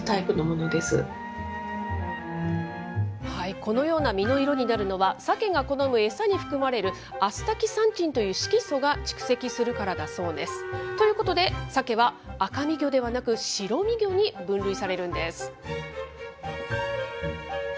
このような身の色になるのは、サケが好む餌に含まれるアスタキサンチンという色素が蓄積するからだそうです。ということで、サケは赤身魚ではなく、白身魚に分類されるんです。